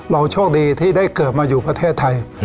โชคดีที่ได้เกิดมาอยู่ประเทศไทย